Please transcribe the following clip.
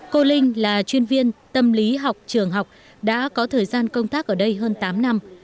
cô linh là chuyên viên tâm lý học trường học đã có thời gian công tác ở đây hơn tám năm